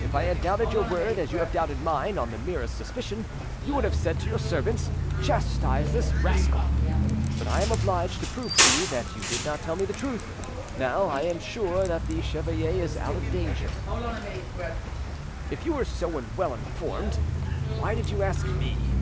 If I had doubted your word as you have doubted mine on the merest suspicion, you would have said to your servants, 'Chastise this rascal.' But I am obliged to prove to you that you did not tell me the truth. Now I am sure that the chevalier is out of danger." "If you were so well informed why did you ask me?"